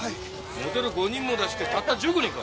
モデル５人も出してたった１５人か。